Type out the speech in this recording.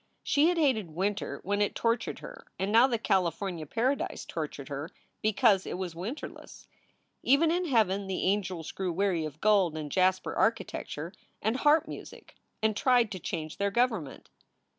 She had hated winter when it tortured her, and now the California paradise tortured her because it was winterless. Even in heaven the angels grew weary of golden and jasper architecture and harp music and tried to change their government.